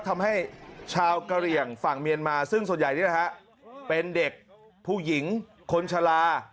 ทำให้ชาวกะเหลี่ยงฝั่งเมียนมาซึ่งส่วนใหญ่นี่แหละฮะเป็นเด็กผู้หญิงคนชะลา